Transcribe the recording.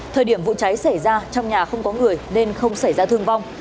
thời điểm vụ cháy xảy ra trong nhà không có người nên không xảy ra thương vong